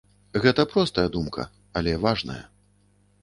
Гэта простая думка, але важная.